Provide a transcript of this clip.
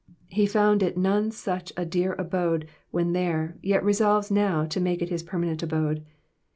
'''' He found it none such a dear abode when there, yet resolves now to make it his. permanent abode.